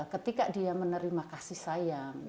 ketika dia menerima kasih sayang